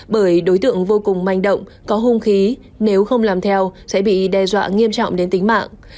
bởi đối tượng vô cùng manh động có hung khí nếu không làm theo sẽ bị đe dọa nghiêm trọng đến tính mạng